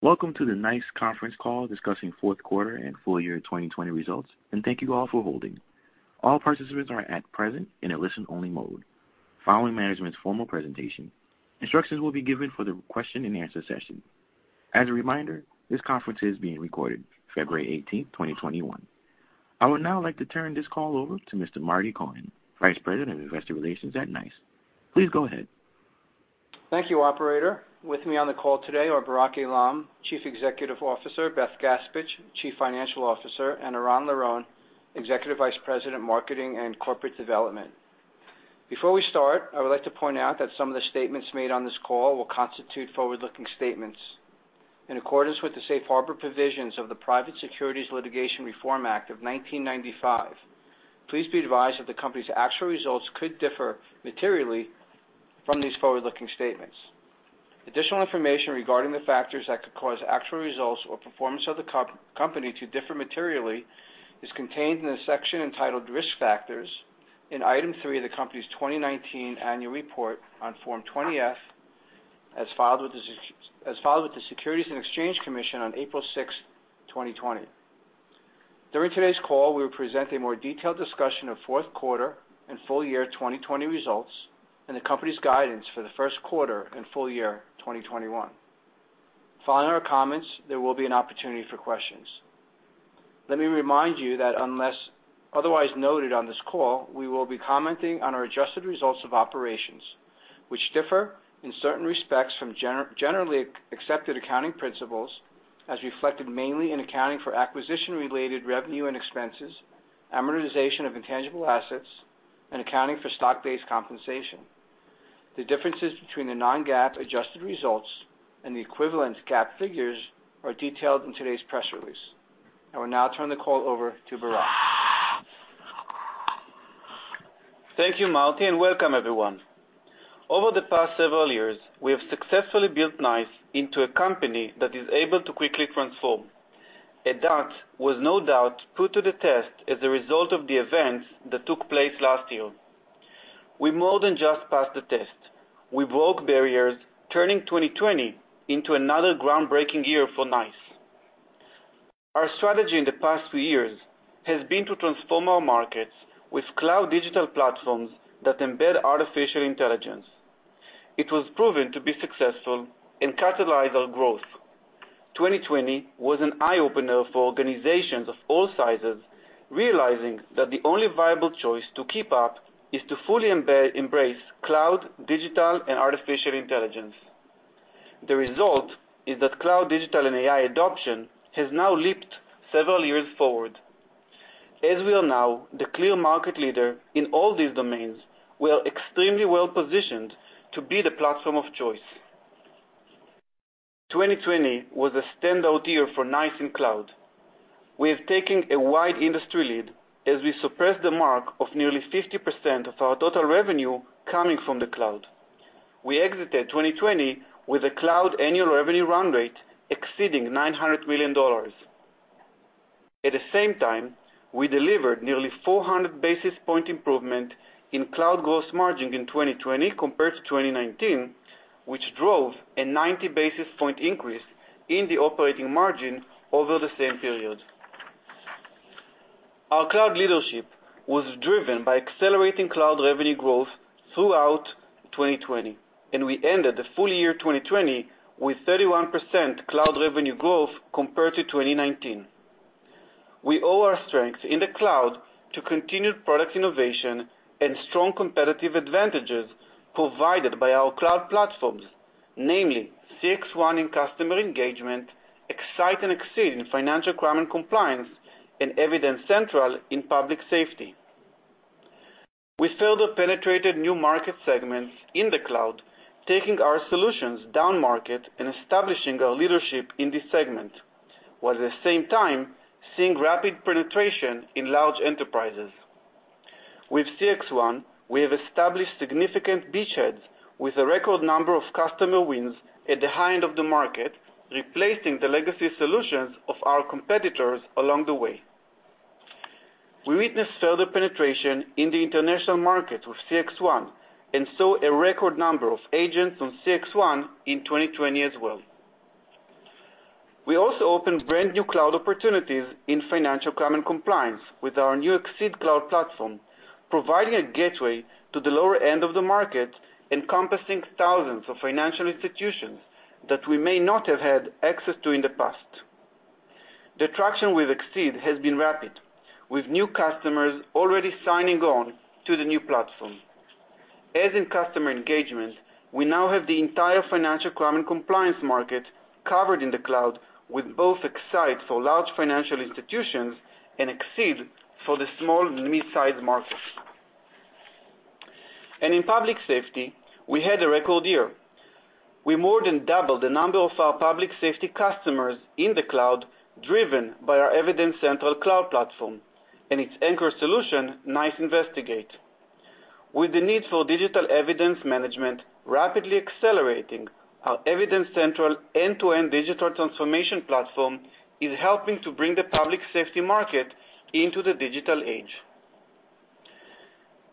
Welcome to the NICE conference call discussing fourth quarter and full year 2020 results, and thank you all for holding. All participants are at present in a listen-only mode. Following management's formal presentation, instructions will be given for the question and answer session. As a reminder, this conference is being recorded February 18, 2021. I would now like to turn this call over to Mr. Marty Cohen, Vice President of Investor Relations at NICE. Please go ahead. Thank you, operator. With me on the call today are Barak Eilam, Chief Executive Officer, Beth Gaspich, Chief Financial Officer, and Eran Liron, Executive Vice President, Marketing and Corporate Development. Before we start, I would like to point out that some of the statements made on this call will constitute forward-looking statements. In accordance with the safe harbor provisions of the Private Securities Litigation Reform Act of 1995, please be advised that the company's actual results could differ materially from these forward-looking statements. Additional information regarding the factors that could cause actual results or performance of the company to differ materially is contained in the section entitled Risk Factors in Item 3 of the company's 2019 annual report on Form 20-F as filed with the Securities and Exchange Commission on April 6, 2020. During today's call, we will present a more detailed discussion of fourth quarter and full year 2020 results and the company's guidance for the first quarter and full year 2021. Following our comments, there will be an opportunity for questions. Let me remind you that unless otherwise noted on this call, we will be commenting on our adjusted results of operations, which differ in certain respects from Generally Accepted Accounting Principles as reflected mainly in accounting for acquisition-related revenue and expenses, amortization of intangible assets, and accounting for stock-based compensation. The differences between the non-GAAP adjusted results and the equivalent GAAP figures are detailed in today's press release. I will now turn the call over to Barak. Thank you, Marty, and welcome everyone. Over the past several years, we have successfully built NICE into a company that is able to quickly transform. That was no doubt put to the test as a result of the events that took place last year. We more than just passed the test. We broke barriers, turning 2020 into another groundbreaking year for NICE. Our strategy in the past few years has been to transform our markets with cloud digital platforms that embed artificial intelligence. It was proven to be successful and catalyze our growth. 2020 was an eye-opener for organizations of all sizes, realizing that the only viable choice to keep up is to fully embrace cloud, digital, and artificial intelligence. The result is that cloud digital and AI adoption has now leaped several years forward. As we are now the clear market leader in all these domains, we are extremely well-positioned to be the platform of choice. 2020 was a standout year for NICE in cloud. We have taken a wide industry lead as we surpassed the mark of nearly 50% of our total revenue coming from the cloud. We exited 2020 with a cloud annual revenue run rate exceeding $900 million. At the same time, we delivered nearly 400 basis point improvement in cloud gross margin in 2020 compared to 2019, which drove a 90 basis point increase in the operating margin over the same period. Our cloud leadership was driven by accelerating cloud revenue growth throughout 2020, and we ended the full year 2020 with 31% cloud revenue growth compared to 2019. We owe our strength in the cloud to continued product innovation and strong competitive advantages provided by our cloud platforms, namely CXone in customer engagement, X-Sight and Xceed in financial crime and compliance, and Evidencentral in public safety. We further penetrated new market segments in the cloud, taking our solutions down market and establishing our leadership in this segment, while at the same time seeing rapid penetration in large enterprises. With CXone, we have established significant beachheads with a record number of customer wins at the high end of the market, replacing the legacy solutions of our competitors along the way. We witnessed further penetration in the international market with CXone and saw a record number of agents on CXone in 2020 as well. We also opened brand-new cloud opportunities in financial crime and compliance with our new Xceed cloud platform, providing a gateway to the lower end of the market, encompassing thousands of financial institutions that we may not have had access to in the past. The traction with Xceed has been rapid, with new customers already signing on to the new platform. As in customer engagement, we now have the entire financial crime and compliance market covered in the cloud with both X-Sight for large financial institutions and Xceed for the small and mid-sized market. In public safety, we had a record year. We more than doubled the number of our public safety customers in the cloud, driven by our Evidencentral cloud platform and its anchor solution, NICE Investigate. With the need for digital evidence management rapidly accelerating, our Evidencentral end-to-end digital transformation platform is helping to bring the public safety market into the digital age.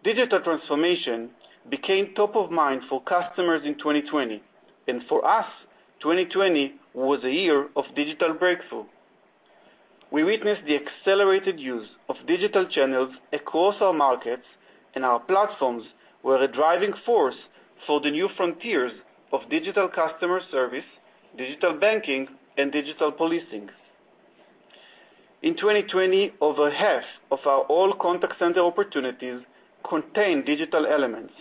Digital transformation became top of mind for customers in 2020, and for us, 2020 was a year of digital breakthrough. We witnessed the accelerated use of digital channels across our markets, and our platforms were a driving force for the new frontiers of digital customer service, digital banking, and digital policing. In 2020, over half of our all contact center opportunities contained digital elements,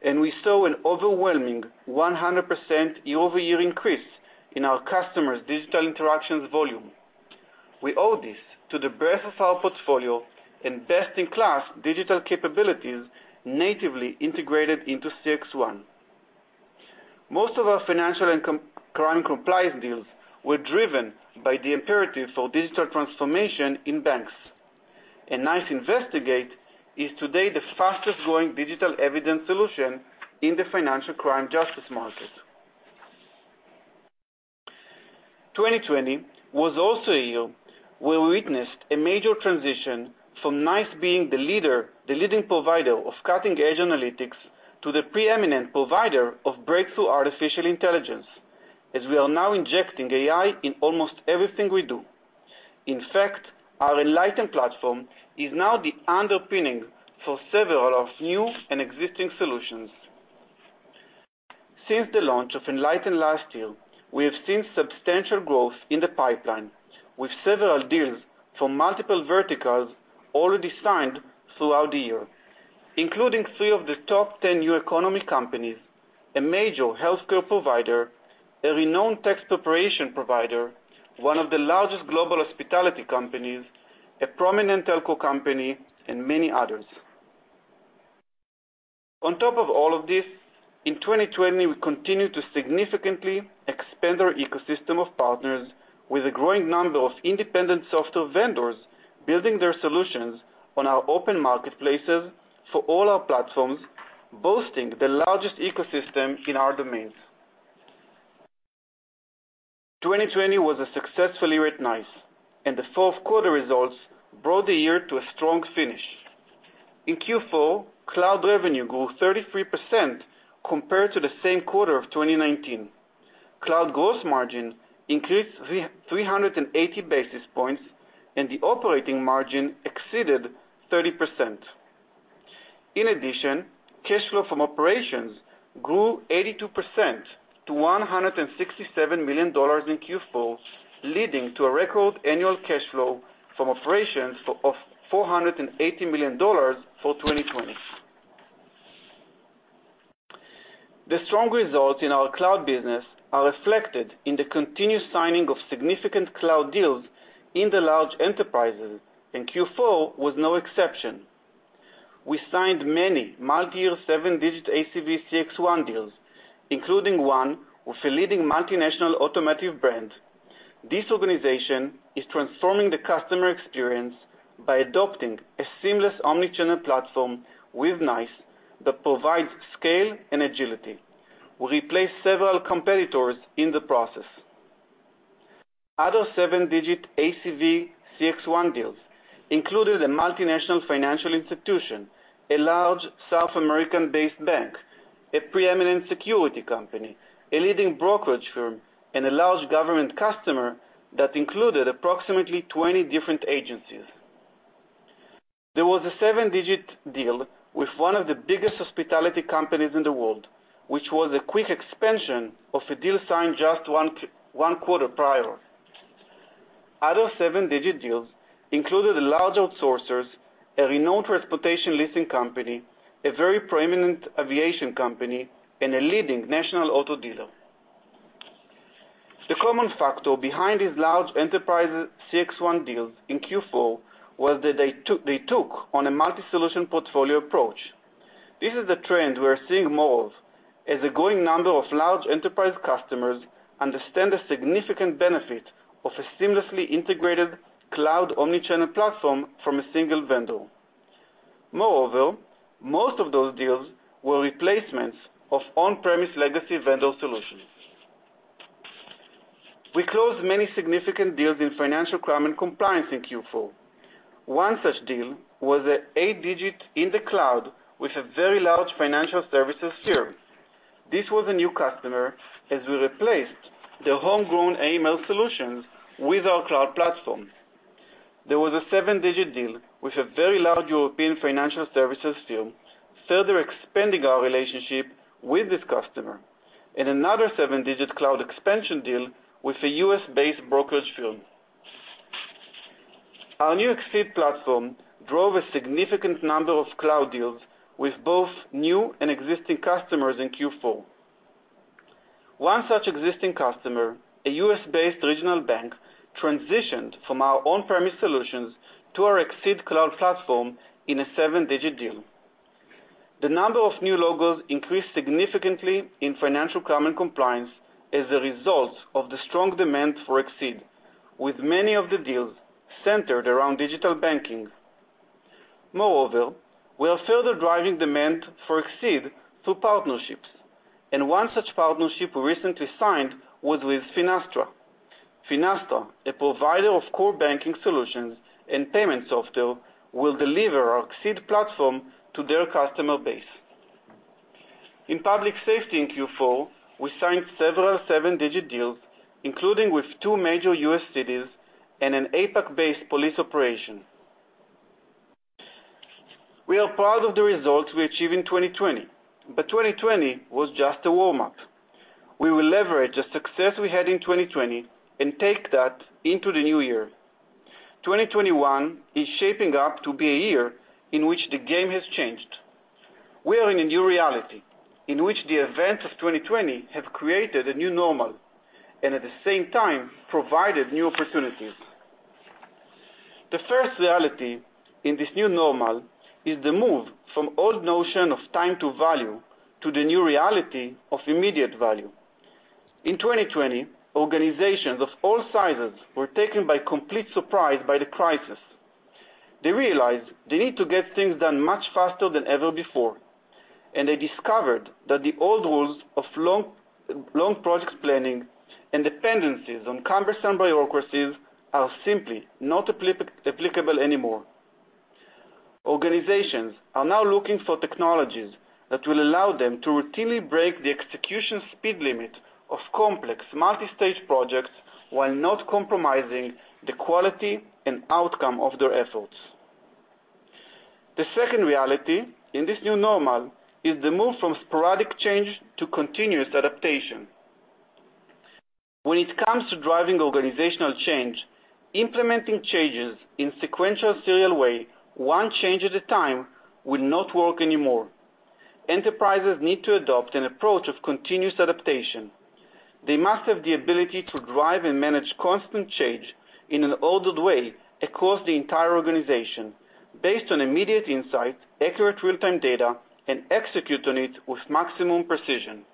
and we saw an overwhelming 100% year-over-year increase in our customers' digital interactions volume. We owe this to the breadth of our portfolio and best-in-class digital capabilities natively integrated into CXone. Most of our financial crime compliance deals were driven by the imperative for digital transformation in banks. NICE Investigate is today the fastest-growing digital evidence solution in the financial crime justice market. 2020 was also a year where we witnessed a major transition from NICE being the leading provider of cutting-edge analytics to the pre-eminent provider of breakthrough artificial intelligence, as we are now injecting AI in almost everything we do. In fact, our Enlighten platform is now the underpinning for several of new and existing solutions. Since the launch of Enlighten last year, we have seen substantial growth in the pipeline with several deals from multiple verticals already signed throughout the year, including three of the top 10 new economy companies, a major healthcare provider, a renowned tax preparation provider, one of the largest global hospitality companies, a prominent telco company, and many others. On top of all of this, in 2020, we continued to significantly expand our ecosystem of partners with a growing number of independent software vendors building their solutions on our open marketplaces for all our platforms, boasting the largest ecosystem in our domains. 2020 was a successful year at NICE, and the fourth quarter results brought the year to a strong finish. In Q4, cloud revenue grew 33% compared to the same quarter of 2019. Cloud gross margin increased 388 basis points, and the operating margin exceeded 30%. In addition, cash flow from operations grew 82% to $167 million in Q4, leading to a record annual cash flow from operations of $480 million for 2020. The strong results in our cloud business are reflected in the continued signing of significant cloud deals in the large enterprises, and Q4 was no exception. We signed many multi-year, seven digit ACV CXone deals, including one with a leading multinational automotive brand. This organization is transforming the customer experience by adopting a seamless omnichannel platform with NICE that provides scale and agility. We replaced several competitors in the process. Other seven digit ACV CXone deals included a multinational financial institution, a large South American-based bank, a pre-eminent security company, a leading brokerage firm, and a large government customer that included approximately 20 different agencies. There was a seven digit deal with one of the biggest hospitality companies in the world, which was a quick expansion of a deal signed just one quarter prior. Other seven digit deals included large outsourcers, a renowned transportation leasing company, a very pre-eminent aviation company, and a leading national auto dealer. The common factor behind these large enterprise CXone deals in Q4 was that they took on a multi-solution portfolio approach. This is the trend we are seeing more of as a growing number of large enterprise customers understand the significant benefit of a seamlessly integrated cloud omnichannel platform from a single vendor. Most of those deals were replacements of on-premise legacy vendor solutions. We closed many significant deals in financial crime and compliance in Q4. One such deal was an eight digit in the cloud with a very large financial services firm. This was a new customer as we replaced their homegrown AML solutions with our cloud platform. There was a seven digit deal with a very large European financial services firm, further expanding our relationship with this customer. Another seven digit cloud expansion deal with a U.S.-based brokerage firm. Our new Xceed platform drove a significant number of cloud deals with both new and existing customers in Q4. One such existing customer, a U.S.-based regional bank, transitioned from our on-premise solutions to our Xceed cloud platform in a seven digit deal. The number of new logos increased significantly in financial crime and compliance as a result of the strong demand for Xceed, with many of the deals centered around digital banking. Moreover, we are further driving demand for Xceed through partnerships, and one such partnership we recently signed was with Finastra. Finastra, a provider of core banking solutions and payment software, will deliver our Xceed platform to their customer base. In public safety in Q4, we signed several seven digit deals, including with two major U.S. cities and an APAC-based police operation. We are proud of the results we achieved in 2020 was just a warm-up. We will leverage the success we had in 2020 and take that into the new year. 2021 is shaping up to be a year in which the game has changed. We are in a new reality in which the events of 2020 have created a new normal, and at the same time provided new opportunities. The first reality in this new normal is the move from old notion of time to value to the new reality of immediate value. In 2020, organizations of all sizes were taken by complete surprise by the crisis. They realized they need to get things done much faster than ever before, and they discovered that the old rules of long project planning and dependencies on cumbersome bureaucracies are simply not applicable anymore. Organizations are now looking for technologies that will allow them to routinely break the execution speed limit of complex multistage projects while not compromising the quality and outcome of their efforts. The second reality in this new normal is the move from sporadic change to continuous adaptation. When it comes to driving organizational change, implementing changes in sequential serial way, one change at a time, will not work anymore. Enterprises need to adopt an approach of continuous adaptation. They must have the ability to drive and manage constant change in an ordered way across the entire organization based on immediate insight, accurate real-time data, and execute on it with maximum precision.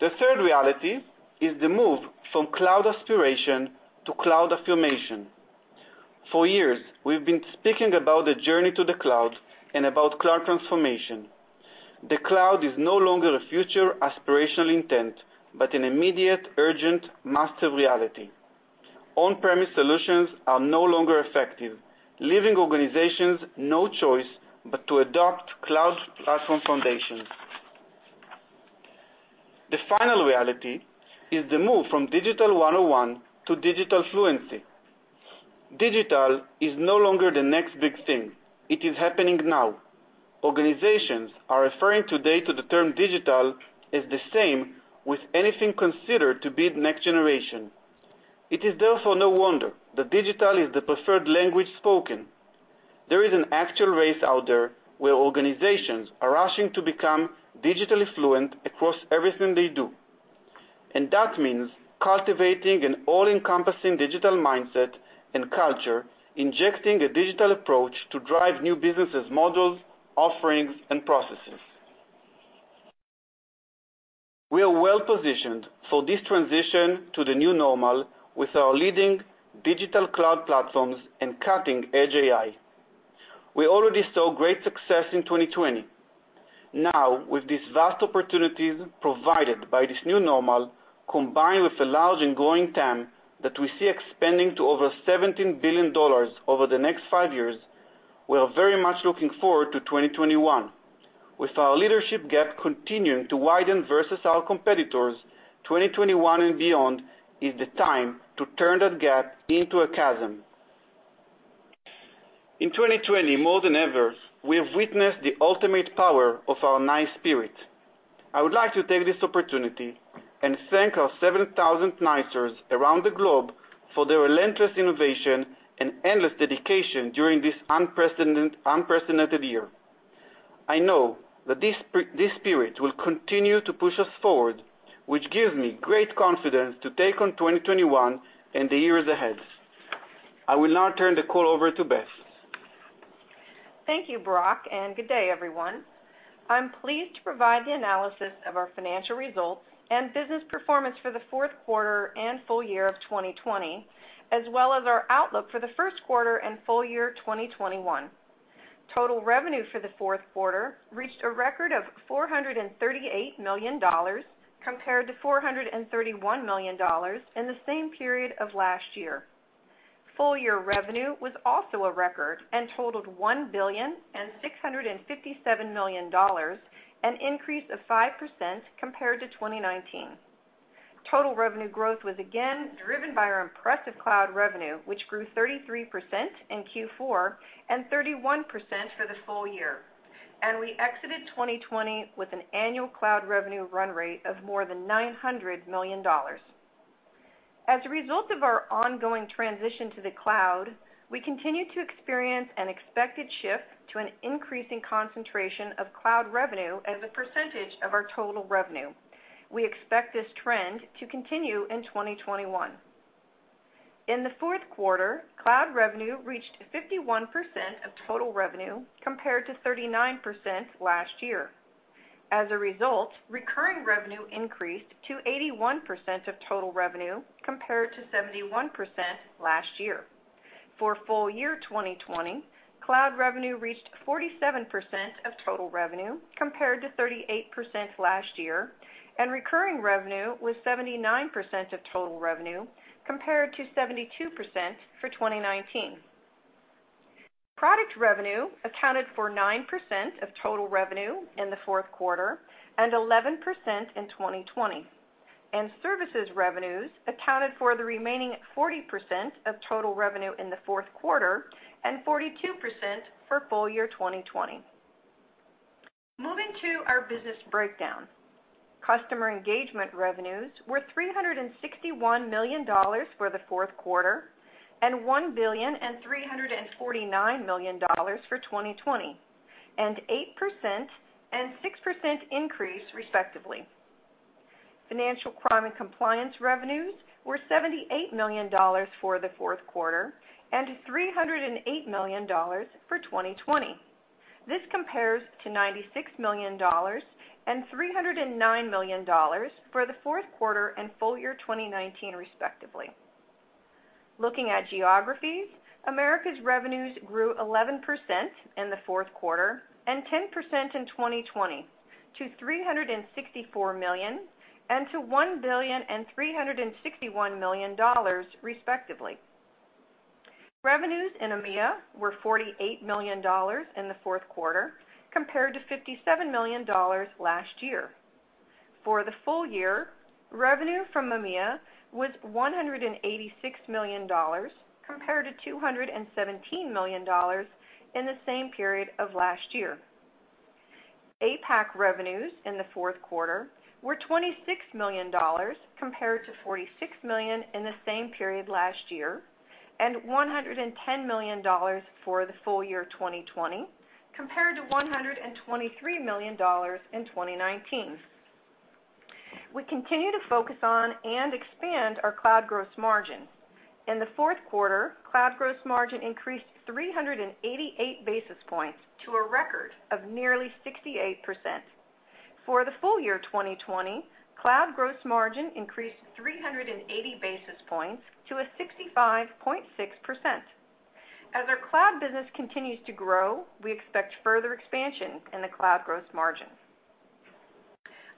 The third reality is the move from cloud aspiration to cloud affirmation. For years, we've been speaking about the journey to the cloud and about cloud transformation. The cloud is no longer a future aspirational intent, but an immediate, urgent, massive reality. On-premise solutions are no longer effective, leaving organizations no choice but to adopt cloud platform foundations. The final reality is the move from digital 101 to digital fluency. Digital is no longer the next big thing. It is happening now. Organizations are referring today to the term digital as the same with anything considered to be next generation. It is therefore no wonder that digital is the preferred language spoken. There is an actual race out there where organizations are rushing to become digitally fluent across everything they do, and that means cultivating an all-encompassing digital mindset and culture, injecting a digital approach to drive new business models, offerings, and processes. We are well-positioned for this transition to the new normal with our leading digital cloud platforms and cutting-edge AI. We already saw great success in 2020. Now, with these vast opportunities provided by this new normal, combined with a large and growing TAM that we see expanding to over $17 billion over the next five years, we are very much looking forward to 2021. With our leadership gap continuing to widen versus our competitors, 2021 and beyond is the time to turn that gap into a chasm. In 2020, more than ever, we have witnessed the ultimate power of our NICE spirit. I would like to take this opportunity and thank our 7,000 NICEers around the globe for their relentless innovation and endless dedication during this unprecedented year. I know that this spirit will continue to push us forward, which gives me great confidence to take on 2021 and the years ahead. I will now turn the call over to Beth. Thank you, Barak. Good day, everyone. I am pleased to provide the analysis of our financial results and business performance for the fourth quarter and full year 2020, as well as our outlook for the first quarter and full year 2021. Total revenue for the fourth quarter reached a record of $438 million compared to $431 million in the same period of last year. Full year revenue was also a record and totaled $1,657 million, an increase of 5% compared to 2019. Total revenue growth was again driven by our impressive cloud revenue, which grew 33% in Q4 and 31% for the full year. We exited 2020 with an annual cloud revenue run rate of more than $900 million. As a result of our ongoing transition to the cloud, we continue to experience an expected shift to an increasing concentration of cloud revenue as a percentage of our total revenue. We expect this trend to continue in 2021. In the fourth quarter, cloud revenue reached 51% of total revenue, compared to 39% last year. As a result, recurring revenue increased to 81% of total revenue, compared to 71% last year. For full year 2020, cloud revenue reached 47% of total revenue, compared to 38% last year, and recurring revenue was 79% of total revenue, compared to 72% for 2019. Product revenue accounted for 9% of total revenue in the fourth quarter and 11% in 2020, and services revenues accounted for the remaining 40% of total revenue in the fourth quarter and 42% for full year 2020. Moving to our business breakdown. Customer engagement revenues were $361 million for the fourth quarter and $1 billion and $349 million for 2020, an 8% and 6% increase respectively. Financial crime and compliance revenues were $78 million for the fourth quarter and $308 million for 2020. This compares to $96 million and $309 million for the fourth quarter and full year 2019 respectively. Looking at geographies, Americas revenues grew 11% in the fourth quarter and 10% in 2020 to $364 million and to $1 billion and $361 million respectively. Revenues in EMEA were $48 million in the fourth quarter compared to $57 million last year. For the full year, revenue from EMEA was $186 million compared to $217 million in the same period of last year. APAC revenues in the fourth quarter were $26 million compared to $46 million in the same period last year, and $110 million for the full year 2020, compared to $123 million in 2019. We continue to focus on and expand our cloud gross margin. In the fourth quarter, cloud gross margin increased 388 basis points to a record of nearly 68%. For the full year 2020, cloud gross margin increased 380 basis points to a 65.6%. As our cloud business continues to grow, we expect further expansion in the cloud gross margin.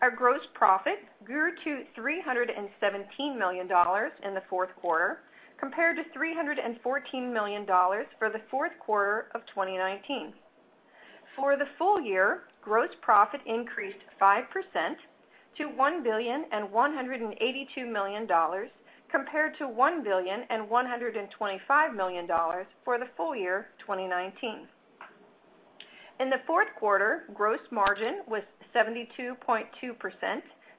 Our gross profit grew to $317 million in the fourth quarter compared to $314 million for the fourth quarter of 2019. For the full year, gross profit increased 5% to $1,182 million compared to $1,125 million for the full year 2019. In the fourth quarter, gross margin was 72.2%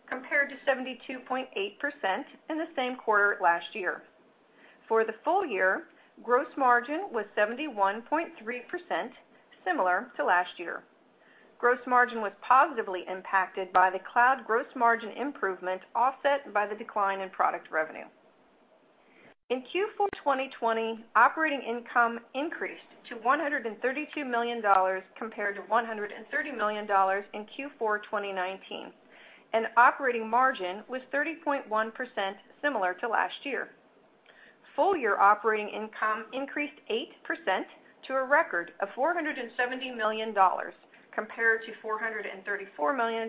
compared to 72.8% in the same quarter last year. For the full year, gross margin was 71.3%, similar to last year. Gross margin was positively impacted by the cloud gross margin improvement, offset by the decline in product revenue. In Q4 2020, operating income increased to $132 million compared to $130 million in Q4 2019, and operating margin was 30.1%, similar to last year. Full-year operating income increased 8% to a record of $470 million compared to $434 million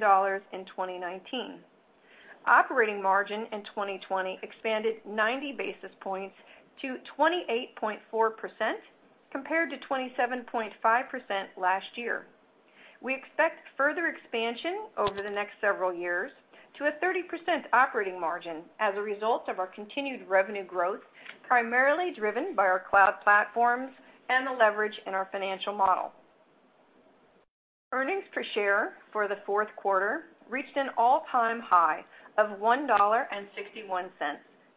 in 2019. Operating margin in 2020 expanded 90 basis points to 28.4% compared to 27.5% last year. We expect further expansion over the next several years to a 30% operating margin as a result of our continued revenue growth, primarily driven by our cloud platforms and the leverage in our financial model. Earnings per share for the fourth quarter reached an all-time high of $1.61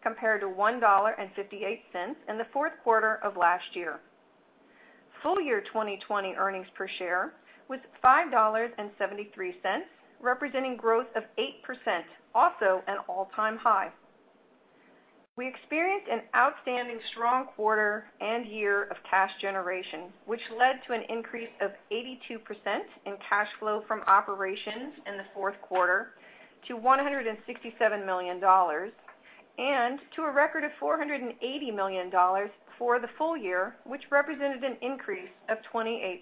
compared to $1.58 in the fourth quarter of last year. Full year 2020 earnings per share was $5.73, representing growth of 8%, also an all-time high. We experienced an outstanding strong quarter and year of cash generation, which led to an increase of 82% in cash flow from operations in the fourth quarter to $167 million and to a record of $480 million for the full year, which represented an increase of 28%.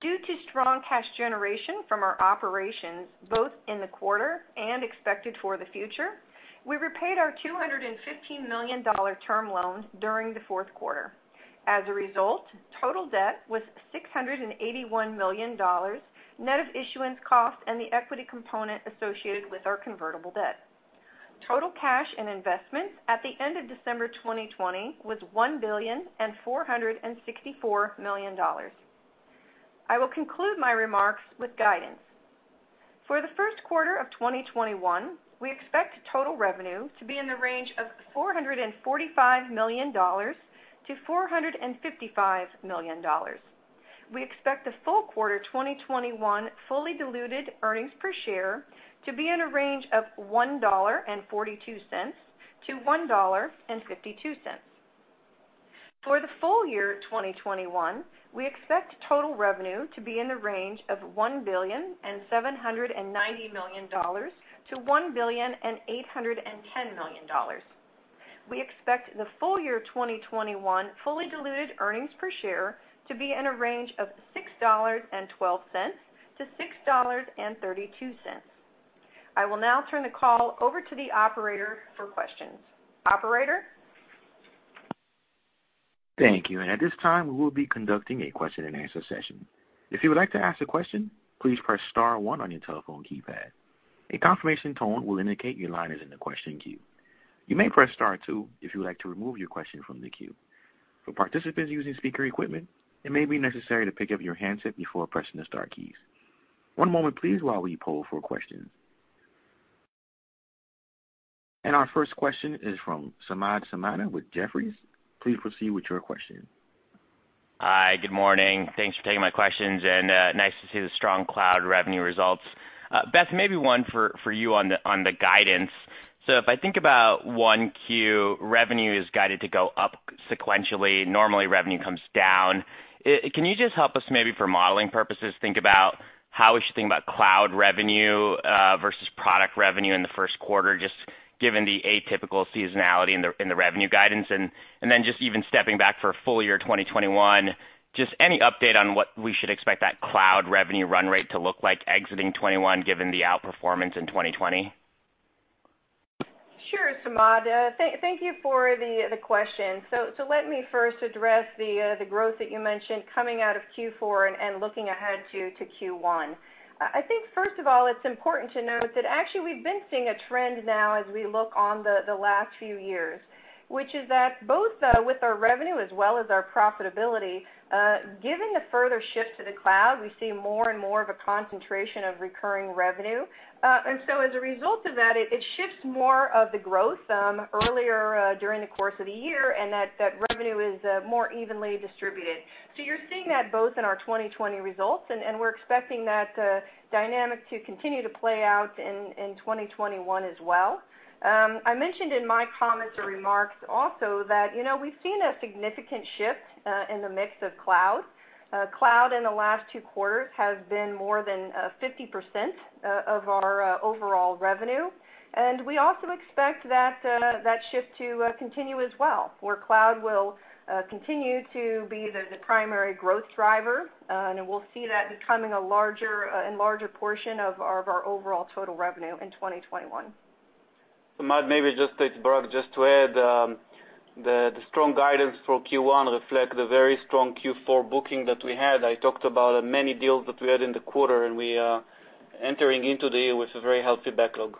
Due to strong cash generation from our operations both in the quarter and expected for the future, we repaid our $215 million term loan during the fourth quarter. As a result, total debt was $681 million net of issuance costs and the equity component associated with our convertible debt. Total cash and investments at the end of December 2020 was $1.464 billion. I will conclude my remarks with guidance. For the first quarter of 2021, we expect total revenue to be in the range of $445 million-$455 million. We expect the full quarter 2021 fully diluted earnings per share to be in a range of $1.42-$1.52. For the full year 2021, we expect total revenue to be in the range of $1.79 billion-$1.81 billion. We expect the full year 2021 fully diluted earnings per share to be in a range of $6.12-$6.32. I will now turn the call over to the operator for questions. Operator? Thank you. This time we will be conducting a question and answer session. If you would like to ask a question please press star one on your telephone keypad. A confirmation tone will indicate your line is in the question queue. You may press star two, if you like to remove your question from the queue. For participants using speaker equipment it may be necessary to pick up your handset before pressing the star key. One moment please while we pull for questions. Our first question is from Samad Samana with Jefferies. Please proceed with your question. Hi, good morning. Thanks for taking my questions, and nice to see the strong cloud revenue results. Beth, maybe one for you on the guidance. If I think about Q1, revenue is guided to go up sequentially. Normally, revenue comes down. Can you just help us maybe for modeling purposes, think about how we should think about cloud revenue versus product revenue in the first quarter, just given the atypical seasonality in the revenue guidance? Then just even stepping back for full year 2021, just any update on what we should expect that cloud revenue run rate to look like exiting 2021, given the outperformance in 2020? Sure, Samad. Thank you for the question. Let me first address the growth that you mentioned coming out of Q4 and looking ahead to Q1. I think first of all, it's important to note that actually we've been seeing a trend now as we look on the last few years, which is that both with our revenue as well as our profitability, given the further shift to the cloud, we see more and more of a concentration of recurring revenue. As a result of that, it shifts more of the growth earlier during the course of the year, and that revenue is more evenly distributed. You're seeing that both in our 2020 results, and we're expecting that dynamic to continue to play out in 2021 as well. I mentioned in my comments or remarks also that we've seen a significant shift in the mix of cloud. Cloud in the last two quarters has been more than 50% of our overall revenue. We also expect that shift to continue as well, where cloud will continue to be the primary growth driver. We'll see that becoming a larger and larger portion of our overall total revenue in 2021. Samad, maybe just it's Barak, just to add, the strong guidance for Q1 reflect the very strong Q4 booking that we had. I talked about many deals that we had in the quarter. We are entering into the year with a very healthy backlog.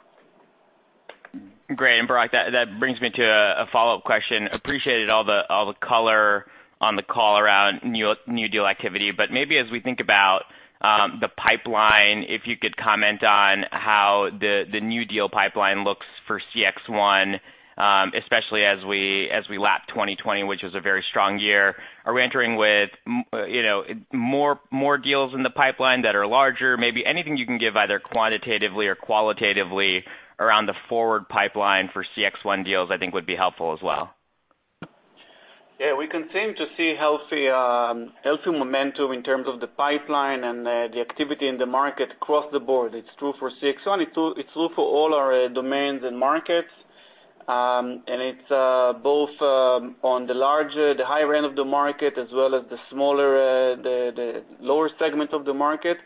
Great. Barak, that brings me to a follow-up question. Appreciated all the color on the call around new deal activity. Maybe as we think about the pipeline, if you could comment on how the new deal pipeline looks for CXone, especially as we lap 2020, which was a very strong year. Are we entering with more deals in the pipeline that are larger? Maybe anything you can give either quantitatively or qualitatively around the forward pipeline for CXone deals, I think would be helpful as well. Yeah, we continue to see healthy momentum in terms of the pipeline and the activity in the market across the board. It's true for CXone. It's true for all our domains and markets. It's both on the larger, the high end of the market, as well as the smaller, the lower segment of the market.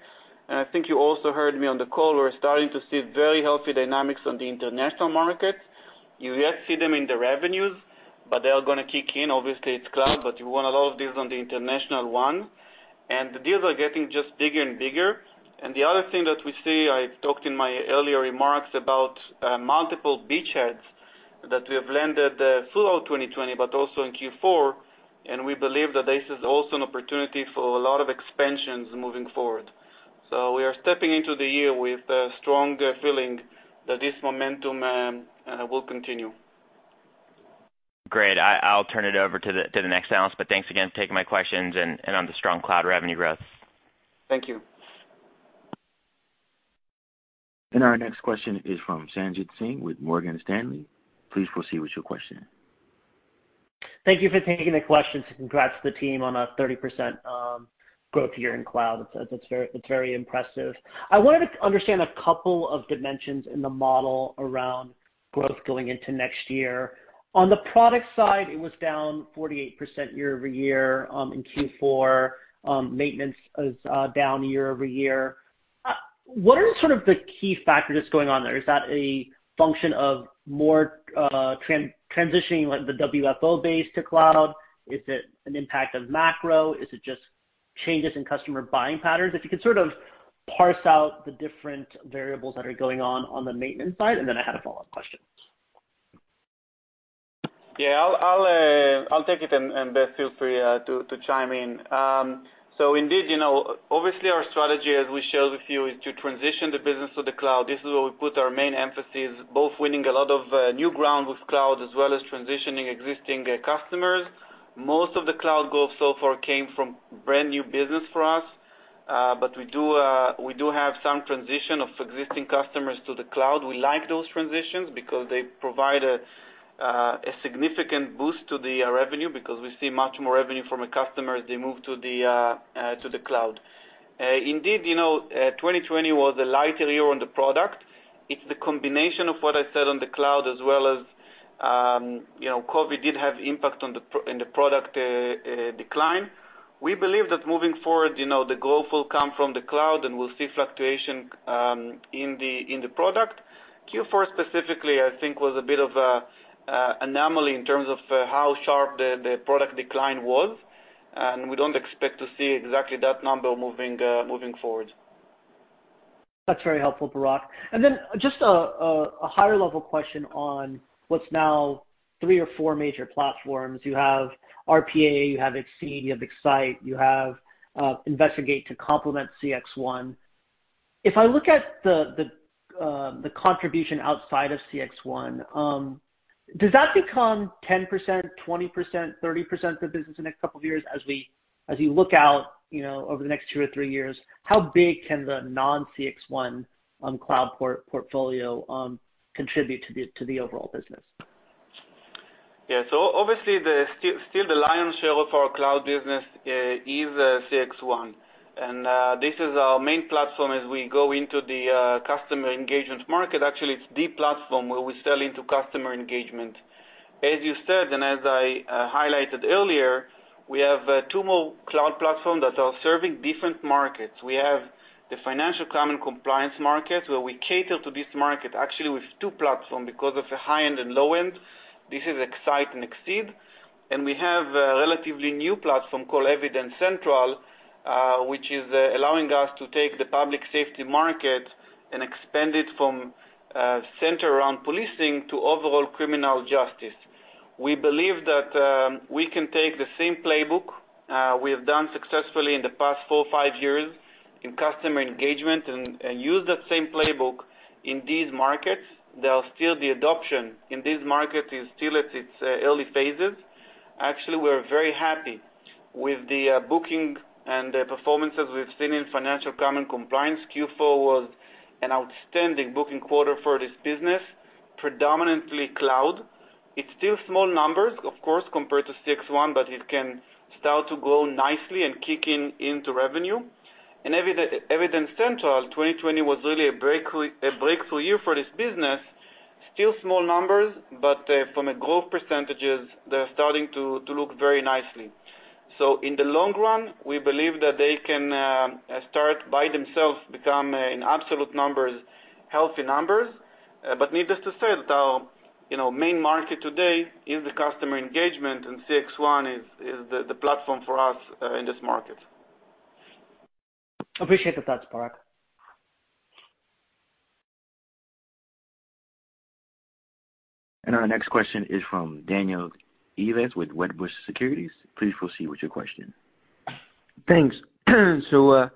I think you also heard me on the call, we're starting to see very healthy dynamics on the international market. You yet see them in the revenues, but they are going to kick in. Obviously, it's cloud, but we won a lot of deals on the international one. The deals are getting just bigger and bigger. The other thing that we see, I talked in my earlier remarks about multiple beachheads that we have landed throughout 2020, but also in Q4, and we believe that this is also an opportunity for a lot of expansions moving forward. We are stepping into the year with a strong feeling that this momentum will continue. Great. I'll turn it over to the next analyst, thanks again for taking my questions and on the strong cloud revenue growth. Thank you. Our next question is from Sanjit Singh with Morgan Stanley. Please proceed with your question. Thank you for taking the questions, and congrats to the team on a 30% growth year in cloud. It's very impressive. I wanted to understand a couple of dimensions in the model around growth going into next year. On the product side, it was down 48% year-over-year in Q4. Maintenance is down year-over-year. What are sort of the key factors going on there? Is that a function of more transitioning the WFO base to cloud? Is it an impact of macro? Is it just changes in customer buying patterns? If you could sort of parse out the different variables that are going on on the maintenance side, and then I had a follow-up question. Yeah, I'll take it, and Beth, feel free to chime in. Indeed, obviously our strategy, as we shared with you, is to transition the business to the cloud. This is where we put our main emphasis, both winning a lot of new ground with cloud, as well as transitioning existing customers. Most of the cloud growth so far came from brand new business for us. We do have some transition of existing customers to the cloud. We like those transitions because they provide a significant boost to the revenue, because we see much more revenue from a customer as they move to the cloud. Indeed, 2020 was a lighter year on the product. It's the combination of what I said on the cloud as well as, COVID did have impact in the product decline. We believe that moving forward, the growth will come from the cloud and we'll see fluctuation in the product. Q4 specifically, I think was a bit of a anomaly in terms of how sharp the product decline was, and we don't expect to see exactly that number moving forward. That's very helpful, Barak. Then just a higher level question on what's now three or four major platforms. You have RPA, you have Xceed, you have X-Sight, you have Investigate to complement CXone. If I look at the contribution outside of CXone, does that become 10%, 20%, 30% of the business in the next couple of years? As you look out, over the next two or three years, how big can the non CXone cloud portfolio contribute to the overall business? Obviously, still the lion's share of our cloud business is CXone. This is our main platform as we go into the customer engagement market. Actually, it's the platform where we sell into customer engagement. As you said, and as I highlighted earlier, we have two more cloud platforms that are serving different markets. We have the financial crime and compliance market, where we cater to this market actually with two platforms because of the high end and low end. This is X-Sight and Xceed. We have a relatively new platform called Evidencentral, which is allowing us to take the Public Safety market and expand it from center around policing to overall criminal justice. We believe that we can take the same playbook we have done successfully in the past four or five years in customer engagement and use that same playbook in these markets. There are still the adoption in these markets is still at its early phases. Actually, we're very happy with the booking and the performances we've seen in financial crime and compliance. Q4 was an outstanding booking quarter for this business, predominantly cloud. It's still small numbers, of course, compared to CXone, but it can start to grow nicely and kick in into revenue. In Evidencentral, 2020 was really a breakthrough year for this business. Still small numbers, but from a growth percentages, they're starting to look very nicely. In the long run, we believe that they can start by themselves, become in absolute numbers, healthy numbers. Needless to say that our main market today is the customer engagement, and CXone is the platform for us in this market. Appreciate the thoughts, Barak. Our next question is from Daniel Ives with Wedbush Securities. Please proceed with your question. Thanks. My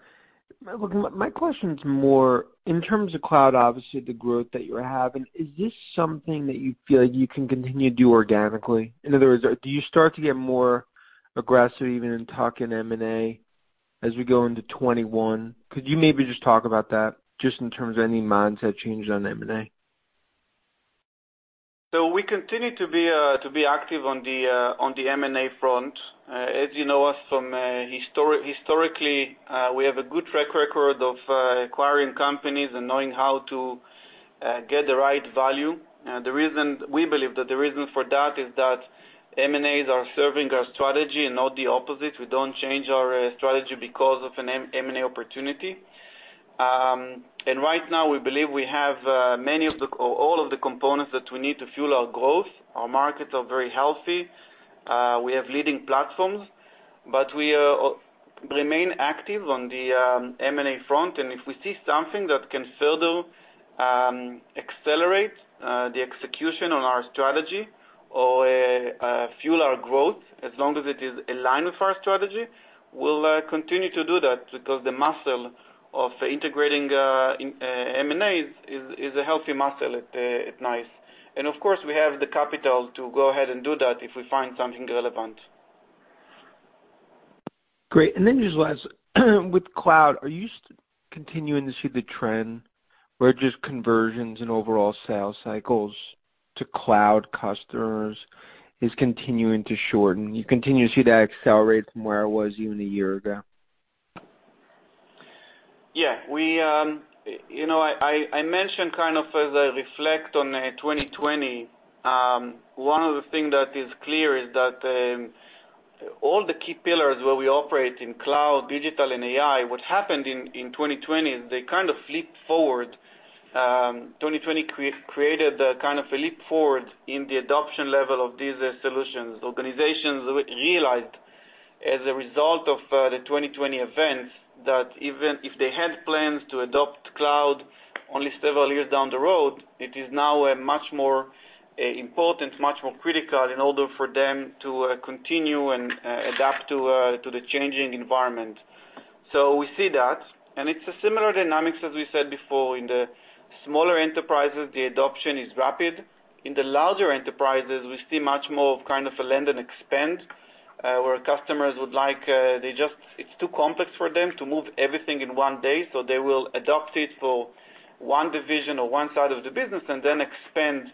question is more in terms of cloud, obviously, the growth that you're having, is this something that you feel like you can continue to do organically? In other words, do you start to get more aggressive even in talking M&A as we go into 2021? Could you maybe just talk about that just in terms of any mindset change on M&A? We continue to be active on the M&A front. As you know us from historically, we have a good track record of acquiring companies and knowing how to get the right value. We believe that the reason for that is that M&As are serving our strategy and not the opposite. We don't change our strategy because of an M&A opportunity. Right now, we believe we have all of the components that we need to fuel our growth. Our markets are very healthy. We have leading platforms. We remain active on the M&A front, and if we see something that can further accelerate the execution on our strategy or fuel our growth, as long as it is aligned with our strategy, we'll continue to do that because the muscle of integrating M&A is a healthy muscle at NICE. Of course, we have the capital to go ahead and do that if we find something relevant. Great. Just last, with cloud, are you continuing to see the trend where just conversions and overall sales cycles to cloud customers is continuing to shorten? You continue to see that accelerate from where it was even a year ago? Yeah. I mentioned kind of as I reflect on 2020, one of the things that is clear is that all the key pillars where we operate in cloud, digital, and AI, what happened in 2020, they kind of leaped forward. 2020 created a kind of a leap forward in the adoption level of these solutions. Organizations realized as a result of the 2020 events, that even if they had plans to adopt cloud only several years down the road, it is now a much more important, much more critical in order for them to continue and adapt to the changing environment. We see that. It's a similar dynamic as we said before. In the smaller enterprises, the adoption is rapid. In the larger enterprises, we see much more of a lend and expend, where customers, it's too complex for them to move everything in one day, so they will adopt it for one division or one side of the business and then expand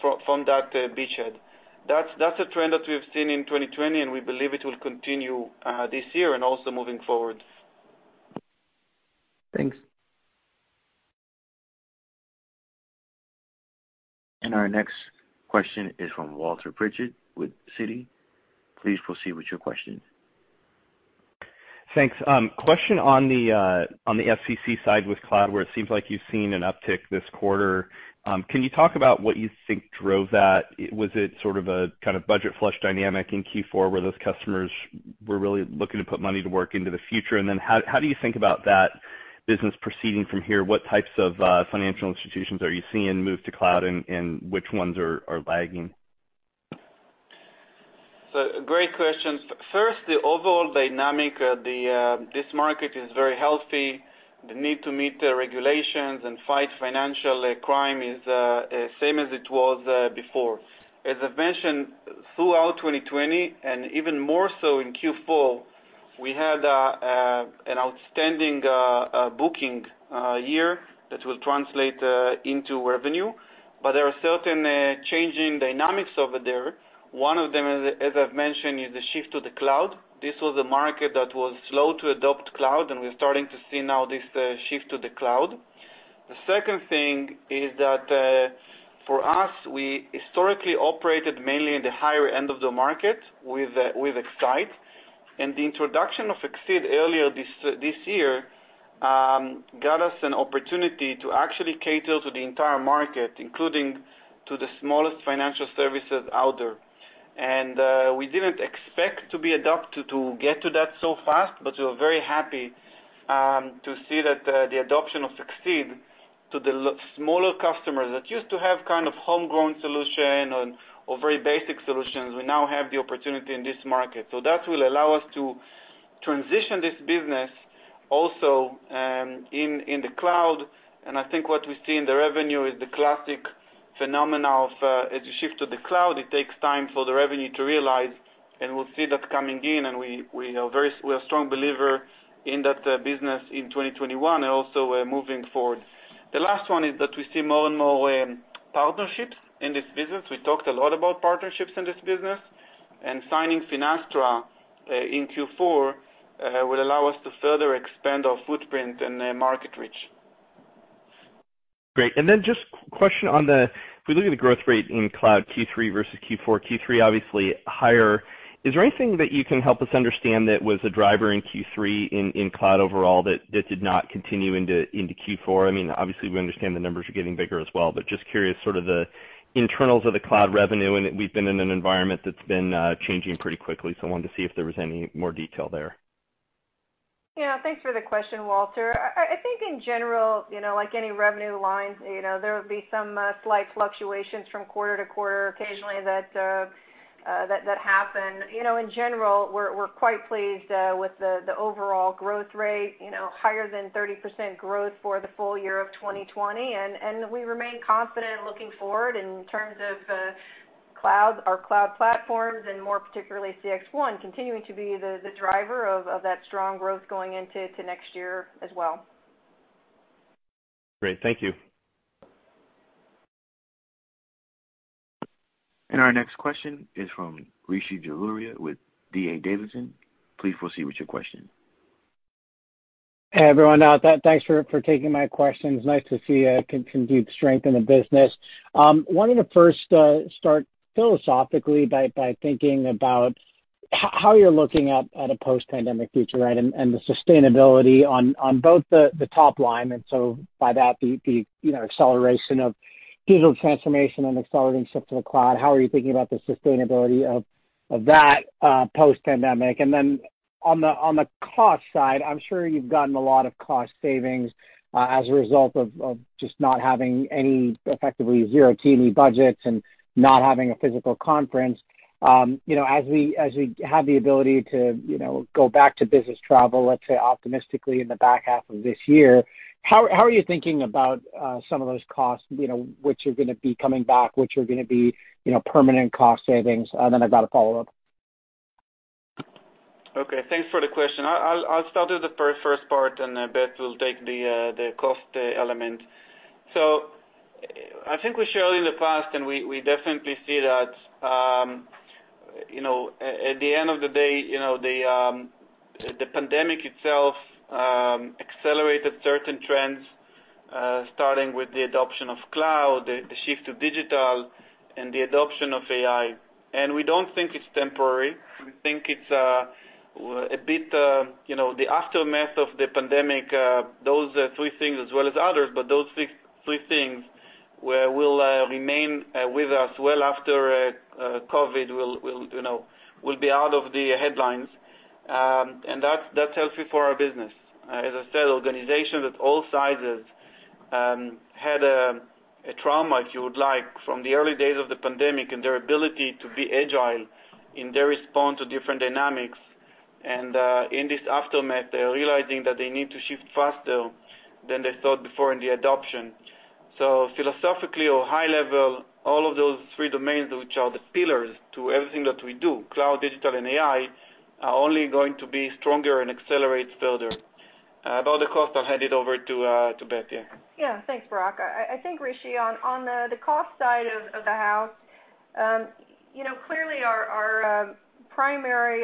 from that beachhead. That's a trend that we've seen in 2020, and we believe it will continue this year and also moving forward. Thanks. Our next question is from Walter Pritchard with Citi. Please proceed with your question. Thanks. Question on the FCCM side with cloud, where it seems like you've seen an uptick this quarter? Can you talk about what you think drove that? Was it sort of a budget flush dynamic in Q4 where those customers were really looking to put money to work into the future? How do you think about that business proceeding from here? What types of financial institutions are you seeing move to cloud, and which ones are lagging? Great questions. First, the overall dynamic, this market is very healthy. The need to meet the regulations and fight financial crime is same as it was before. As I've mentioned, throughout 2020, and even more so in Q4, we had an outstanding booking year that will translate into revenue. There are certain changing dynamics over there. One of them, as I've mentioned, is the shift to the cloud. This was a market that was slow to adopt cloud, and we're starting to see now this shift to the cloud. The second thing is that, for us, we historically operated mainly in the higher end of the market with X-Sight. The introduction of Xceed earlier this year got us an opportunity to actually cater to the entire market, including to the smallest financial services out there. We didn't expect to get to that so fast, but we're very happy to see the adoption of Xceed to the smaller customers that used to have homegrown solution or very basic solutions, we now have the opportunity in this market. That will allow us to transition this business also in the cloud. I think what we see in the revenue is the classic phenomena of, as you shift to the cloud, it takes time for the revenue to realize, and we'll see that coming in. We are a strong believer in that business in 2021, and also moving forward. The last one is that we see more and more partnerships in this business. We talked a lot about partnerships in this business, and signing Finastra in Q4 will allow us to further expand our footprint and market reach. Great. Just question on the, if we look at the growth rate in cloud Q3 versus Q4, Q3 obviously higher. Is there anything that you can help us understand that was a driver in Q3 in cloud overall that did not continue into Q4? Obviously, we understand the numbers are getting bigger as well, but just curious, sort of the internals of the cloud revenue, and we've been in an environment that's been changing pretty quickly, so I wanted to see if there was any more detail there. Yeah, thanks for the question, Walter. I think in general, like any revenue lines, there would be some slight fluctuations from quarter to quarter occasionally that happen. In general, we're quite pleased with the overall growth rate, higher than 30% growth for the full year of 2020. We remain confident looking forward in terms of our cloud platforms, and more particularly CXone continuing to be the driver of that strong growth going into next year as well. Great. Thank you. Our next question is from Rishi Jaluria with D.A. Davidson. Please proceed with your question. Hey, everyone. Thanks for taking my questions. Nice to see a continued strength in the business. Wanted to first start philosophically by thinking about how you're looking at a post-pandemic future, the sustainability on both the top line, and by that, the acceleration of digital transformation and accelerating shift to the cloud. How are you thinking about the sustainability of that post-pandemic? On the cost side, I'm sure you've gotten a lot of cost savings as a result of just effectively zero T&E budgets and not having a physical conference. As we have the ability to go back to business travel, let's say optimistically in the back half of this year, how are you thinking about some of those costs? Which are going to be coming back, which are going to be permanent cost savings? I've got a follow-up. Thanks for the question. I'll start with the first part, then Beth will take the cost element. I think we showed in the past, we definitely see that at the end of the day, the pandemic itself accelerated certain trends, starting with the adoption of cloud, the shift to digital, and the adoption of AI. We don't think it's temporary. We think it's a bit, the aftermath of the pandemic, those three things as well as others, those three things will remain with us well after COVID will be out of the headlines. That's healthy for our business. As I said, organizations of all sizes had a trauma, if you would like, from the early days of the pandemic and their ability to be agile in their response to different dynamics. In this aftermath, they're realizing that they need to shift faster than they thought before in the adoption. Philosophically or high level, all of those three domains, which are the pillars to everything that we do, cloud, digital, and AI, are only going to be stronger and accelerate further. About the cost, I'll hand it over to Beth, yeah. Yeah. Thanks, Barak. I think, Rishi, on the cost side of the house, clearly our primary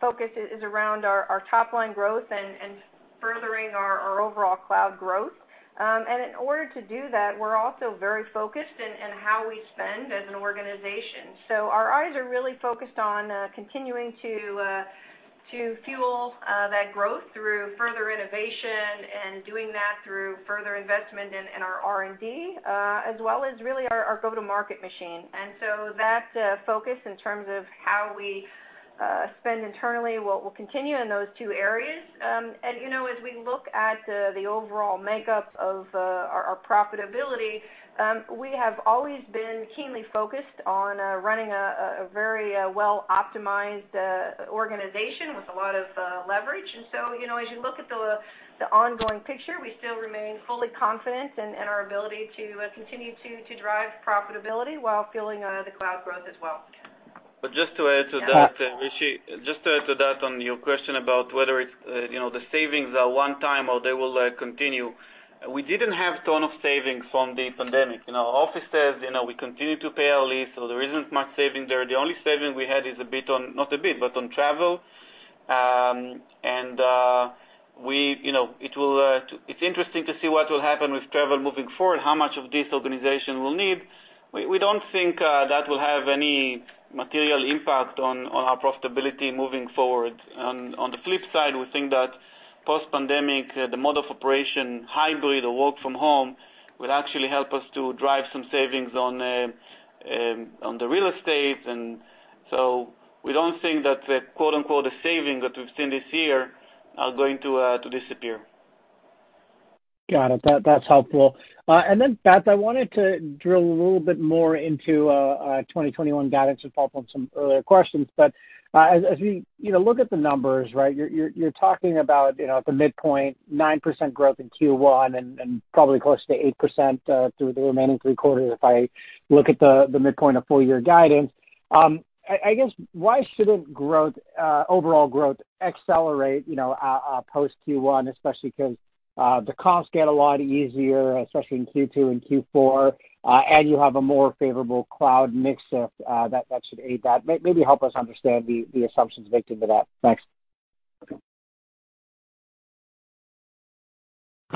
focus is around our top-line growth and furthering our overall cloud growth. In order to do that, we're also very focused in how we spend as an organization. Our eyes are really focused on continuing to fuel that growth through further innovation and doing that through further investment in our R&D, as well as really our go-to-market machine. That focus in terms of how we spend internally will continue in those two areas. As we look at the overall makeup of our profitability, we have always been keenly focused on running a very well-optimized organization with a lot of leverage. As you look at the ongoing picture, we still remain fully confident in our ability to continue to drive profitability while fueling the cloud growth as well. Just to add to that, Rishi, just to add to that on your question about whether the savings are one-time or they will continue, we didn't have ton of savings from the pandemic. In our offices, we continue to pay our lease, so there isn't much saving there. The only saving we had is a bit on, not a bit, but on travel. It's interesting to see what will happen with travel moving forward, how much of this organization will need. We don't think that will have any material impact on our profitability moving forward. On the flip side, we think that post-pandemic, the mode of operation, hybrid or work from home, will actually help us to drive some savings on the real estate. We don't think that the quote, unquote, the saving that we've seen this year are going to disappear. Got it. That's helpful. Beth, I wanted to drill a little bit more into 2021 guidance to follow up on some earlier questions. As we look at the numbers, you're talking about the midpoint, 9% growth in Q1 and probably closer to 8% through the remaining three quarters if I look at the midpoint of full-year guidance. I guess, why shouldn't overall growth accelerate post Q1, especially because the costs get a lot easier, especially in Q2 and Q4, and you have a more favorable cloud mix that should aid that? Maybe help us understand the assumptions baked into that. Thanks.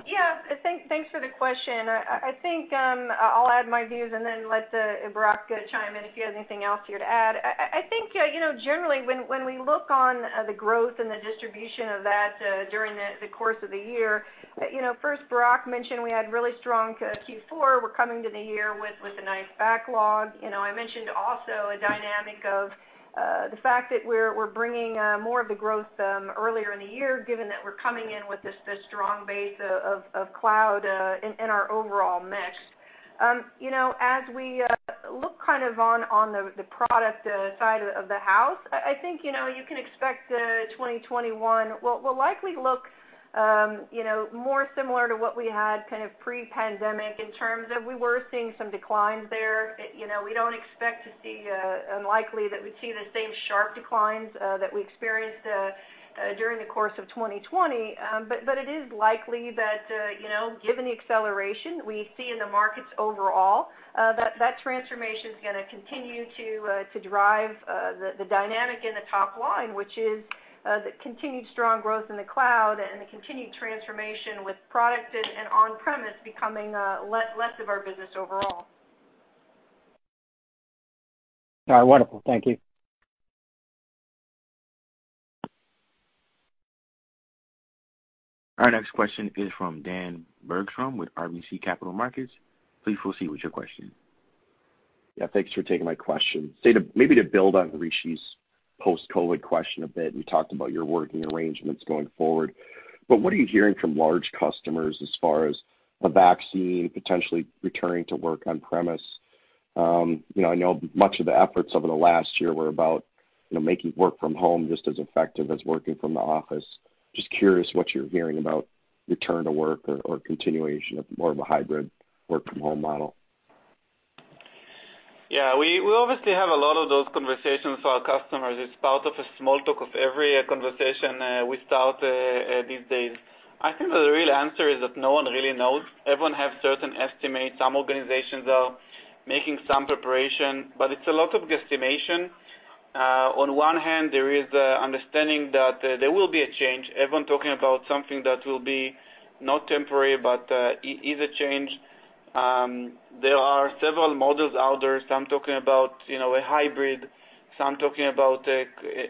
Yeah. Thanks for the question. I think, I'll add my views and then let Barak chime in if he has anything else here to add. I think, generally, when we look on the growth and the distribution of that during the course of the year, first Barak mentioned we had really strong Q4. We're coming to the year with a nice backlog. I mentioned also a dynamic of the fact that we're bringing more of the growth earlier in the year, given that we're coming in with this strong base of cloud in our overall mix. As we look on the product side of the house, I think you can expect 2021 will likely look more similar to what we had pre-pandemic in terms of we were seeing some declines there. We don't expect to see, unlikely that we see the same sharp declines that we experienced during the course of 2020. It is likely that, given the acceleration we see in the markets overall, that transformation is going to continue to drive the dynamic in the top line, which is the continued strong growth in the cloud and the continued transformation with product and on-premise becoming less of our business overall. All right. Wonderful. Thank you. Our next question is from Dan Bergstrom with RBC Capital Markets. Please proceed with your question. Yeah. Thanks for taking my question. Maybe to build on Rishi's post-COVID question a bit, you talked about your working arrangements going forward. What are you hearing from large customers as far as a vaccine potentially returning to work on premise? I know much of the efforts over the last year were about making work from home just as effective as working from the office. Just curious what you're hearing about return to work or continuation of more of a hybrid work from home model. We obviously have a lot of those conversations with our customers. It's part of a small talk of every conversation we start these days. I think that the real answer is that no one really knows. Everyone have certain estimates. Some organizations are making some preparation, but it's a lot of guesstimation. On one hand, there is understanding that there will be a change. Everyone talking about something that will be not temporary, but is a change. There are several models out there, some talking about a hybrid, some talking about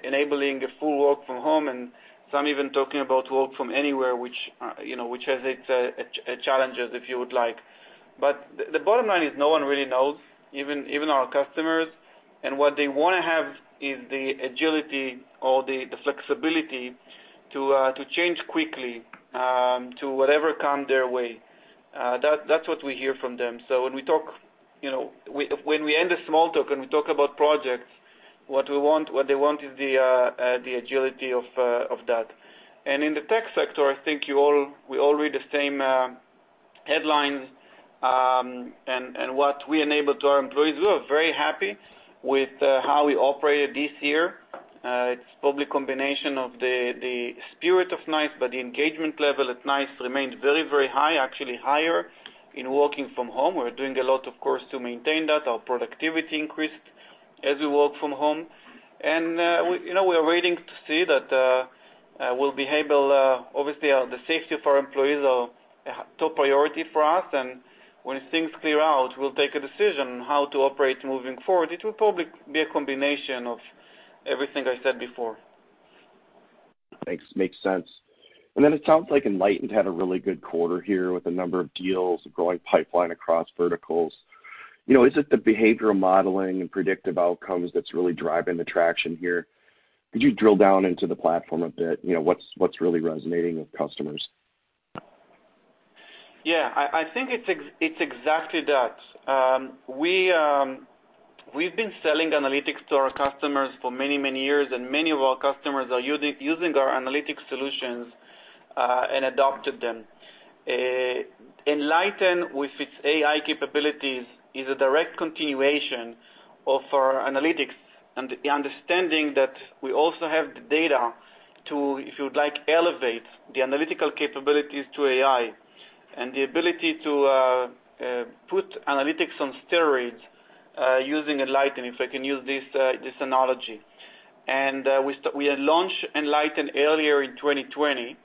enabling a full work from home, and some even talking about work from anywhere, which has its challenges, if you would like. The bottom line is no one really knows, even our customers. What they want to have is the agility or the flexibility to change quickly to whatever come their way. That's what we hear from them. When we end the small talk and we talk about projects, what they want is the agility of that. In the tech sector, I think we all read the same headlines, and what we enable to our employees, we are very happy with how we operated this year. It's probably a combination of the spirit of NICE, but the engagement level at NICE remained very, very high, actually higher in working from home. We're doing a lot, of course, to maintain that. Our productivity increased as we work from home. We're waiting to see that. Obviously, the safety of our employees are top priority for us, and when things clear out, we'll take a decision how to operate moving forward. It will probably be a combination of everything I said before. Thanks. Makes sense. It sounds like Enlighten had a really good quarter here with a number of deals, a growing pipeline across verticals. Is it the behavioral modeling and predictive outcomes that's really driving the traction here? Could you drill down into the platform a bit? What's really resonating with customers? Yeah, I think it's exactly that. We've been selling analytics to our customers for many, many years, and many of our customers are using our analytics solutions, and adopted them. Enlighten, with its AI capabilities, is a direct continuation of our analytics and the understanding that we also have the data to, if you would like, elevate the analytical capabilities to AI and the ability to put analytics on steroids using Enlighten, if I can use this analogy. We had launched Enlighten earlier in 2020,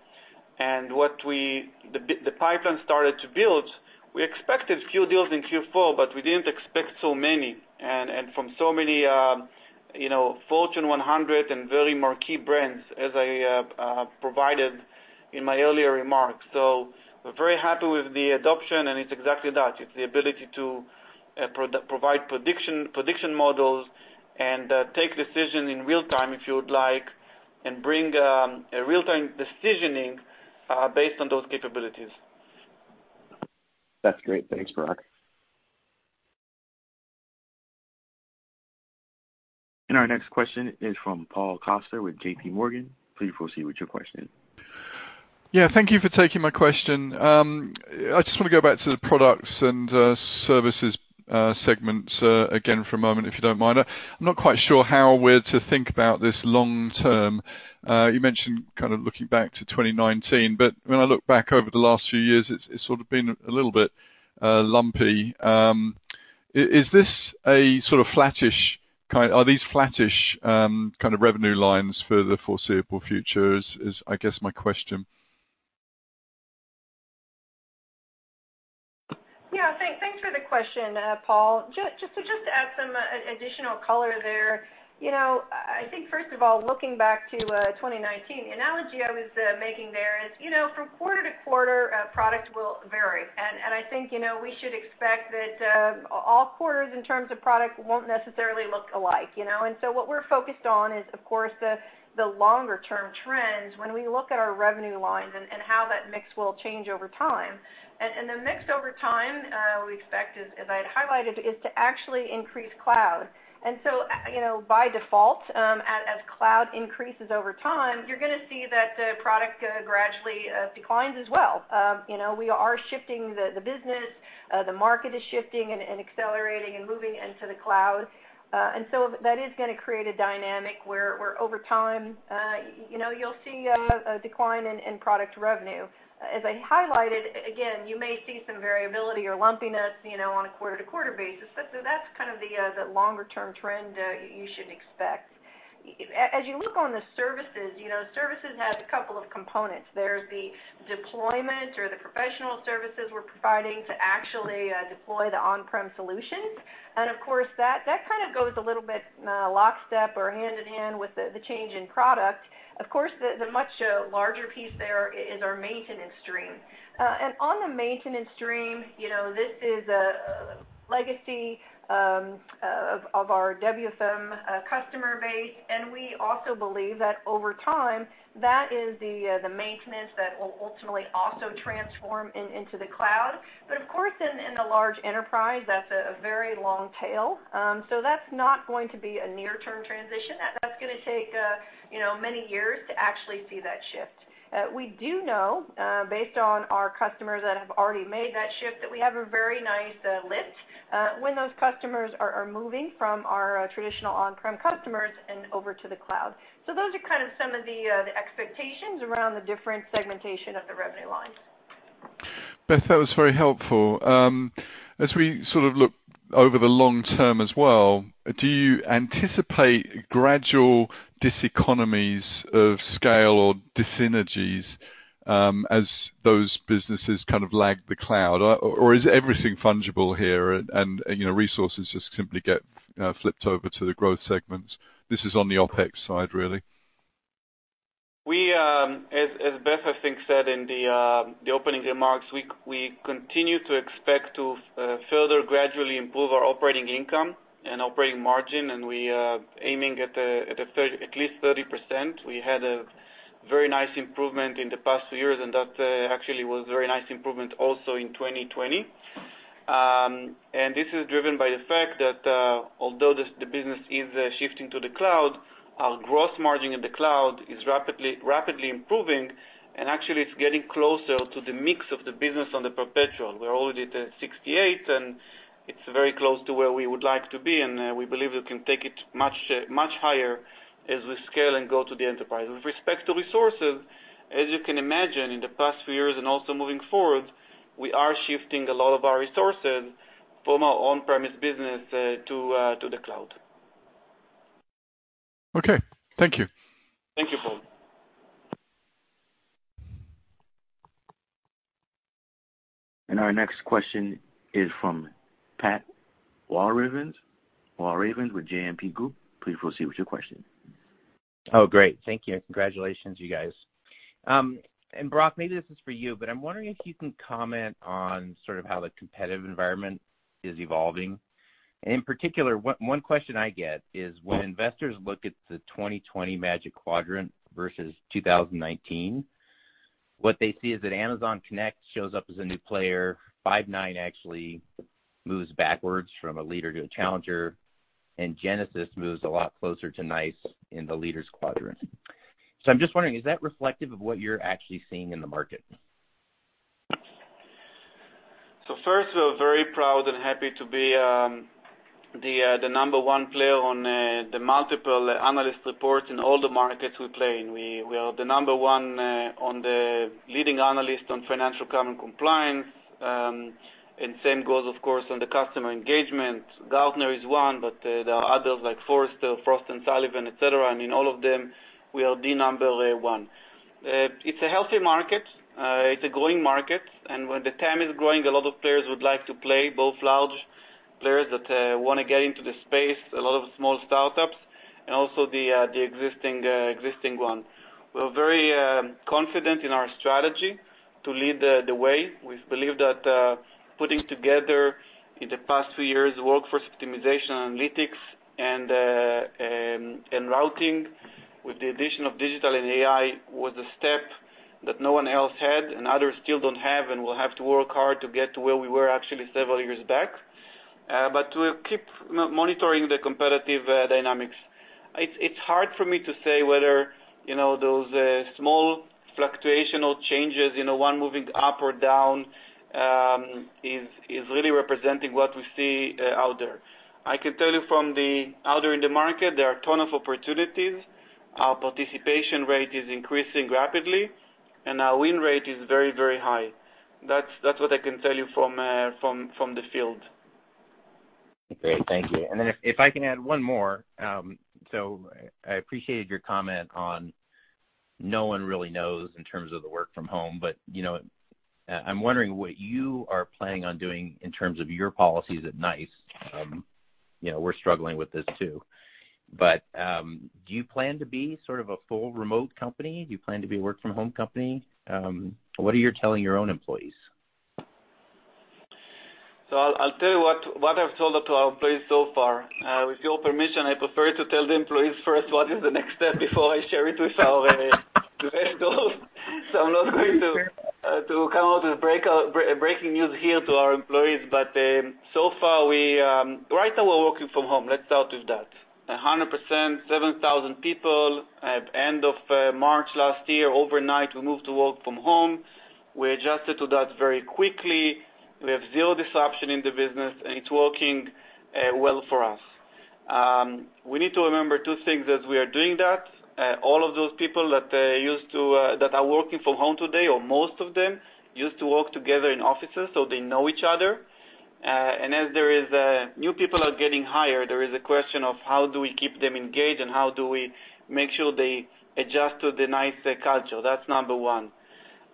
and the pipeline started to build. We expected a few deals in Q4, but we didn't expect so many, and from so many Fortune 100 and very marquee brands, as I have provided in my earlier remarks. We're very happy with the adoption, and it's exactly that. It's the ability to provide prediction models and take decision in real time, if you would like, and bring a real-time decisioning based on those capabilities. That's great. Thanks, Barak. Our next question is from Paul Coster with JPMorgan. Please proceed with your question. Yeah, thank you for taking my question. I just want to go back to the products and services segments again for a moment, if you don't mind. I'm not quite sure how we're to think about this long term. You mentioned kind of looking back to 2019, but when I look back over the last few years, it's sort of been a little bit lumpy. Are these flattish kind of revenue lines for the foreseeable future, is I guess my question? Yeah, thanks for the question, Paul. Just to add some additional color there. I think first of all, looking back to 2019, the analogy I was making there is, from quarter to quarter, products will vary. I think we should expect that all quarters in terms of product won't necessarily look alike. What we're focused on is, of course, the longer-term trends when we look at our revenue lines and how that mix will change over time. The mix over time, we expect, as I had highlighted, is to actually increase cloud. By default, as cloud increases over time, you're going to see that the product gradually declines as well. We are shifting the business. The market is shifting and accelerating and moving into the cloud. That is going to create a dynamic where over time you'll see a decline in product revenue. I highlighted, again, you may see some variability or lumpiness on a quarter-to-quarter basis, but that's kind of the longer-term trend you should expect. You look on the services has a couple of components. There's the deployment or the professional services we're providing to actually deploy the on-prem solutions. That kind of goes a little bit lockstep or hand-in-hand with the change in product. The much larger piece there is our maintenance stream. On the maintenance stream, this is a legacy of our WFM customer base, and we also believe that over time, that is the maintenance that will ultimately also transform into the cloud. In the large enterprise, that's a very long tail. That's not going to be a near-term transition. That's going to take many years to actually see that shift. We do know, based on our customers that have already made that shift, that we have a very nice lift when those customers are moving from our traditional on-prem customers and over to the cloud. Those are kind of some of the expectations around the different segmentation of the revenue lines. Beth, that was very helpful. As we sort of look over the long term as well, do you anticipate gradual diseconomies of scale or dis-synergies as those businesses kind of lag the cloud? Or is everything fungible here and resources just simply get flipped over to the growth segments? This is on the OpEx side, really. As Beth I think said in the opening remarks, we continue to expect to further gradually improve our operating income and operating margin. We are aiming at least 30%. We had a very nice improvement in the past few years, and that actually was a very nice improvement also in 2020. This is driven by the fact that although the business is shifting to the cloud, our gross margin in the cloud is rapidly improving and actually it's getting closer to the mix of the business on the perpetual. We're already at 68%, and it's very close to where we would like to be, and we believe we can take it much higher as we scale and go to the enterprise. With respect to resources, as you can imagine, in the past few years and also moving forward, we are shifting a lot of our resources from our on-premise business to the cloud. Okay. Thank you. Thank you, Paul. Our next question is from Pat Walravens with JMP Group. Please proceed with your question. Oh, great. Thank you, and congratulations, you guys. Barak, maybe this is for you, but I'm wondering if you can comment on sort of how the competitive environment is evolving. In particular, one question I get is when investors look at the 2020 Magic Quadrant versus 2019, what they see is that Amazon Connect shows up as a new player, Five9 actually moves backwards from a leader to a challenger, and Genesys moves a lot closer to NICE in the leaders quadrant. I'm just wondering, is that reflective of what you're actually seeing in the market? First, we are very proud and happy to be the number one player on the multiple analyst reports in all the markets we play in. We are the number one on the leading analyst on financial crime and compliance, and same goes, of course, on the customer engagement. Gartner is one, but there are others like Forrester, Frost & Sullivan, et cetera, and in all of them, we are the number one. It's a healthy market. It's a growing market, and when the TAM is growing, a lot of players would like to play, both large players that want to get into the space, a lot of small startups, and also the existing one. We're very confident in our strategy to lead the way. We believe that putting together in the past few years, workforce optimization, analytics, and routing with the addition of digital and AI was a step that no one else had and others still don't have and will have to work hard to get to where we were actually several years back. We'll keep monitoring the competitive dynamics. It's hard for me to say whether those small fluctuational changes, one moving up or down, is really representing what we see out there. I can tell you from the other in the market, there are ton of opportunities. Our participation rate is increasing rapidly, and our win rate is very, very high. That's what I can tell you from the field. Great, thank you. If I can add one more, I appreciated your comment on no one really knows in terms of the work from home, I'm wondering what you are planning on doing in terms of your policies at NICE. We're struggling with this, too. Do you plan to be sort of a full remote company? Do you plan to be a work from home company? What are you telling your own employees? I'll tell you what I've told to our employees so far. With your permission, I prefer to tell the employees first what is the next step before I share it with our investors. I'm not going to come out with breaking news here to our employees. So far, right now we're working from home. Let's start with that. 100%, 7,000 people. At end of March last year, overnight, we moved to work from home. We adjusted to that very quickly. We have zero disruption in the business, and it's working well for us. We need to remember two things as we are doing that. All of those people that are working from home today, or most of them, used to work together in offices, so they know each other. As new people are getting hired, there is a question of how do we keep them engaged and how do we make sure they adjust to the NICE culture? That's number one.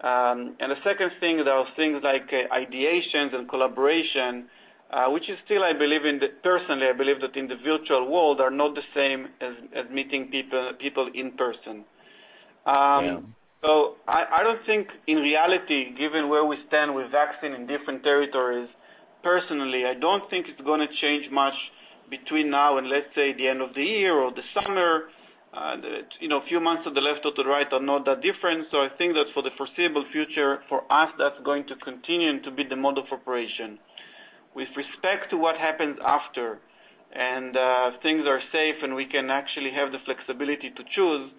The second thing, there are things like ideations and collaboration, which is still, personally, I believe that in the virtual world, are not the same as meeting people in person. Yeah. I don't think, in reality, given where we stand with vaccine in different territories, personally, I don't think it's going to change much between now and let's say the end of the year or the summer. A few months to the left or to the right are not that different. I think that for the foreseeable future, for us, that's going to continue to be the model for operation. With respect to what happens after, and things are safe, and we can actually have the flexibility to choose,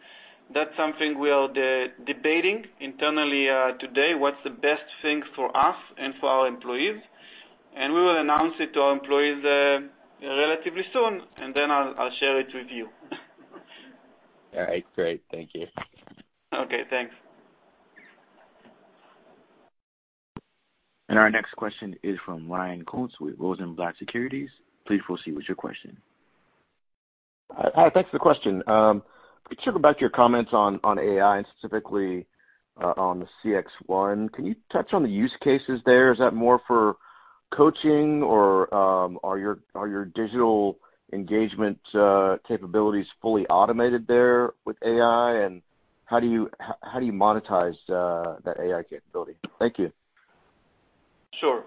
that's something we are debating internally today, what's the best thing for us and for our employees, and we will announce it to our employees relatively soon, and then I'll share it with you. All right, great. Thank you. Okay, thanks. Our next question is from Ryan Koontz with Rosenblatt Securities. Please proceed with your question. Hi, thanks for the question. Could circle back to your comments on AI and specifically on the CXone, can you touch on the use cases there? Is that more for coaching or are your digital engagement capabilities fully automated there with AI? How do you monetize that AI capability? Thank you. Sure.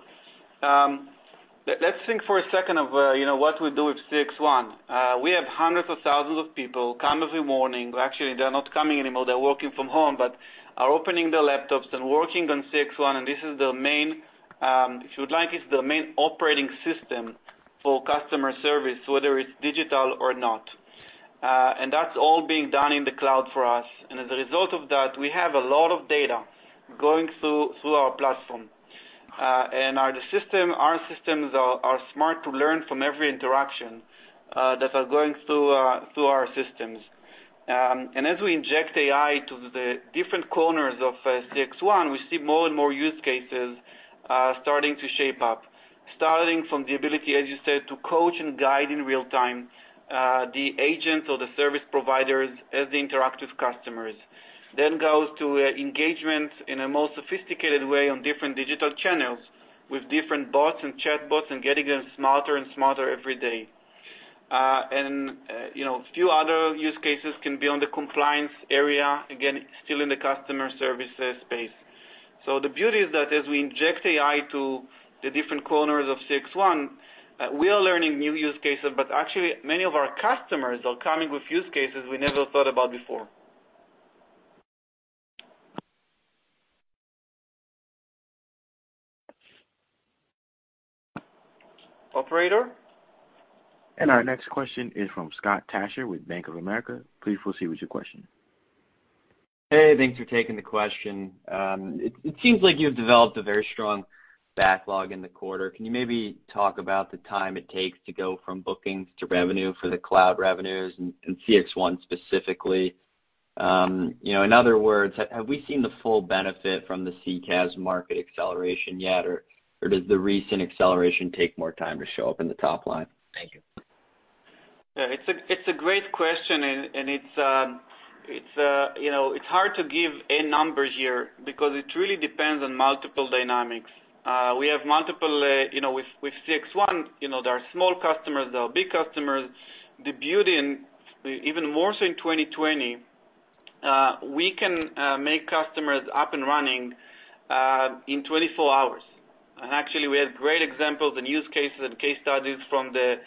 Let's think for a second of what we do with CXone. We have hundreds of thousands of people come every morning. Well, actually, they're not coming anymore, they're working from home, but are opening their laptops and working on CXone. This is their main, if you would like, it's their main operating system for customer service, whether it's digital or not. That's all being done in the cloud for us. As a result of that, we have a lot of data going through our platform. Our systems are smart to learn from every interaction that are going through our systems. As we inject AI to the different corners of CXone, we see more and more use cases starting to shape up. Starting from the ability, as you said, to coach and guide in real time, the agent or the service providers as they interact with customers. Goes to engagement in a more sophisticated way on different digital channels with different bots and chatbots and getting them smarter and smarter every day. Few other use cases can be on the compliance area, again, still in the customer services space. The beauty is that as we inject AI to the different corners of CXone, we are learning new use cases, but actually many of our customers are coming with use cases we never thought about before. Operator? Our next question is from Scott Tasha with Bank of America. Please proceed with your question. Hey, thanks for taking the question. It seems like you've developed a very strong backlog in the quarter. Can you maybe talk about the time it takes to go from bookings to revenue for the cloud revenues and CXone specifically? In other words, have we seen the full benefit from the CCaaS market acceleration yet, or does the recent acceleration take more time to show up in the top line? Thank you. Yeah, it's a great question and it's hard to give a numbers here because it really depends on multiple dynamics. With CXone, there are small customers, there are big customers. The beauty, and even more so in 2020, we can make customers up and running in 24 hours. Actually, we have great examples and use cases and case studies from the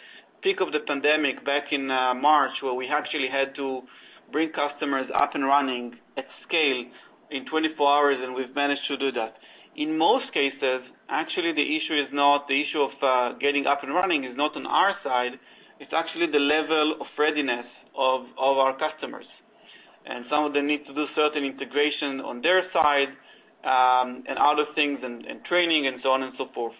peak of the pandemic back in March, where we actually had to bring customers up and running at scale in 24 hours, and we've managed to do that. In most cases, actually the issue of getting up and running is not on our side, it's actually the level of readiness of our customers. Some of them need to do certain integration on their side, and other things and training and so on and so forth.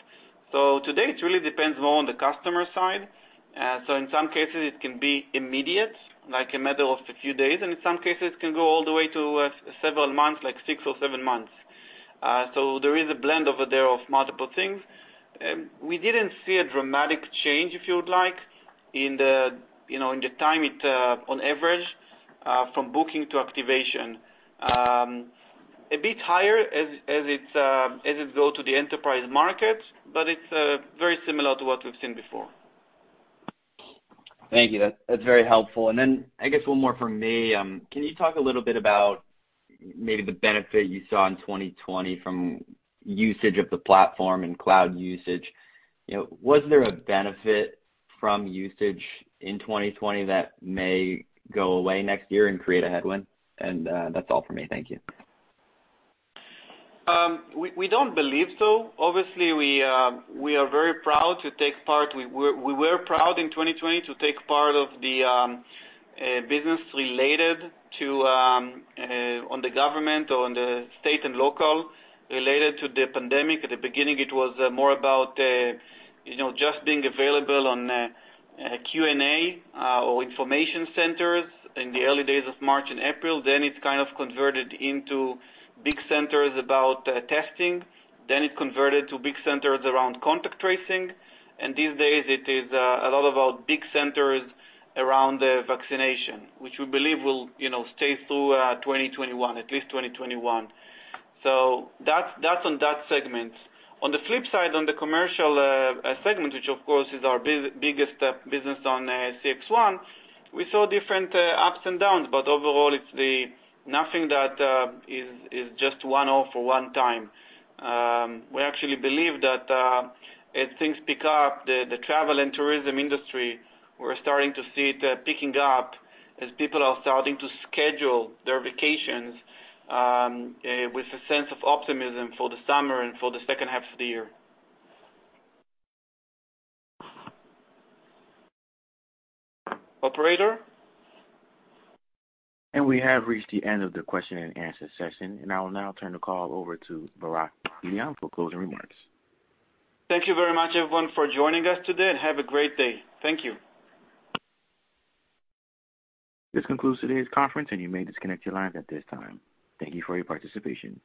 Today, it really depends more on the customer side. In some cases, it can be immediate, like a matter of a few days, and in some cases, it can go all the way to several months, like six or seven months. There is a blend over there of multiple things. We didn't see a dramatic change, if you would like, in the time on average from booking to activation. A bit higher as it go to the enterprise market, but it's very similar to what we've seen before. Thank you. That's very helpful. I guess one more from me. Can you talk a little bit about maybe the benefit you saw in 2020 from usage of the platform and cloud usage? Was there a benefit from usage in 2020 that may go away next year and create a headwind? That's all from me. Thank you. We don't believe so. Obviously, we were proud in 2020 to take part of the business related on the government or on the state and local related to the pandemic. At the beginning, it was more about just being available on Q&A or information centers in the early days of March and April. It's kind of converted into big centers about testing. It converted to big centers around contact tracing. These days it is a lot about big centers around vaccination, which we believe will stay through 2021, at least 2021. That's on that segment. On the flip side, on the commercial segment, which of course is our biggest business on CXone, we saw different ups and downs, but overall, it's nothing that is just one-off or one time. We actually believe that as things pick up, the travel and tourism industry, we're starting to see it picking up as people are starting to schedule their vacations with a sense of optimism for the summer and for the second half of the year. Operator? We have reached the end of the question and answer session, and I will now turn the call over to Barak Eilam for closing remarks. Thank you very much everyone for joining us today, and have a great day. Thank you. This concludes today's conference, and you may disconnect your lines at this time. Thank you for your participation.